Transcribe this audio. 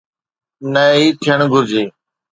نه ئي ٿيڻ گهرجي.